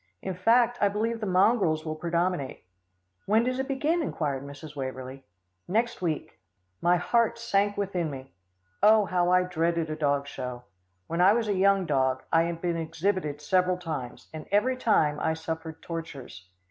In fact, I believe the mongrels will predominate." "When does it begin?" enquired Mrs. Waverlee. "Next week." My heart sank within me. Oh! how I dreaded a dog show. When I was a young dog, I had been exhibited several times, and every time I suffered tortures.